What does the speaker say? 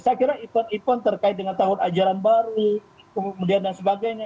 saya kira event event terkait dengan tahun ajaran baru kemudian dan sebagainya